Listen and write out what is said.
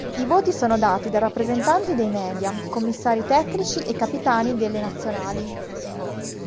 I voti sono dati da rappresentati dei "media", commissari tecnici e capitani delle Nazionali.